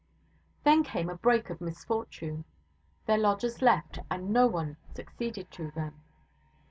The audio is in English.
Then came a break of misfortune. Their lodgers left, and no one succeeded to them.